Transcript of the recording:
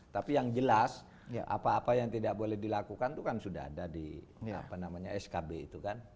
tapi yang jelas apa apa yang tidak boleh dilakukan itu kan sudah ada di skb itu kan